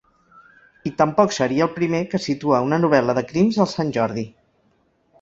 I tampoc seria el primer que situa una novel·la de crims al Santjordi.